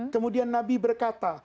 kemudian nabi berkata